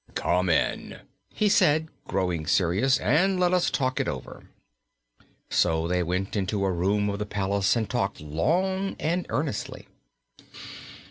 "Come in," he said, growing serious, "and let us talk it over." So they went into a room of the palace and talked long and earnestly.